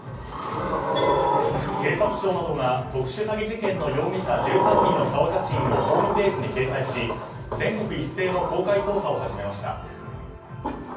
警察庁などが特殊詐欺事件の容疑者１３人の顔写真をホームページに掲載し全国一斉の公開捜査を始めました。